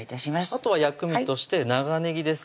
あとは薬味として長ねぎです